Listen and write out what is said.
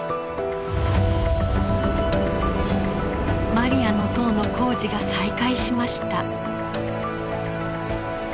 マリアの塔の工事が再開しました。